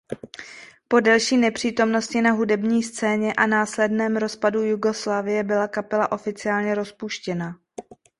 Po delší nepřítomnosti na hudební scéně a následném rozpadu Jugoslávie byla kapela oficiálně rozpuštěna.